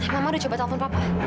mama udah coba telepon papa